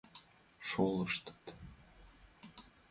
Шолыштыт...